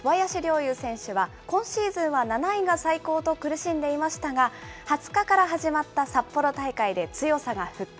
侑選手は、今シーズンは７位が最高と苦しんでいましたが、２０日から始まった札幌大会で強さが復活。